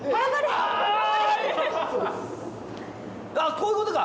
こういうことか。